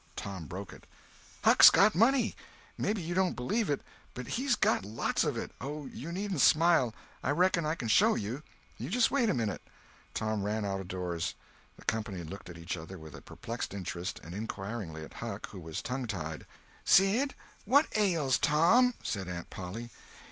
Tom broke it: "Huck's got money. Maybe you don't believe it, but he's got lots of it. Oh, you needn't smile—I reckon I can show you. You just wait a minute." Tom ran out of doors. The company looked at each other with a perplexed interest—and inquiringly at Huck, who was tongue tied. "Sid, what ails Tom?" said Aunt Polly.